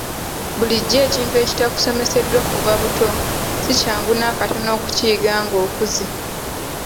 Bulijjo ekintu ekitakusomeseddwa kuva buto si kyangu n'akatono okukiyiga ng'okuze.